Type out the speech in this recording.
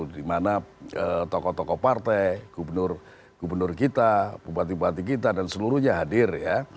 dimana tokoh tokoh partai gubernur gubernur kita bupati bupati kita dan seluruhnya hadir ya